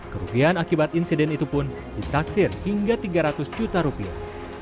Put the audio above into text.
kerugian akibat insiden itu pun ditaksir hingga tiga ratus juta rupiah